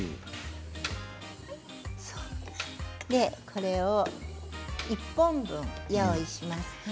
これを１本分用意します。